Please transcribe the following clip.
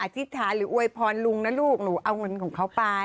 ธิษฐานหรืออวยพรลุงนะลูกหนูเอาเงินของเขาไป